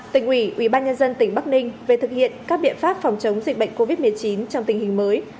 tỉnh ủy ubnd tỉnh bắc ninh về thực hiện các biện pháp phòng chống dịch bệnh covid một mươi chín trong tình hình mới